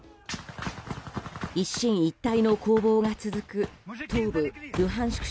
一進一退の攻防が続く東部ルハンシク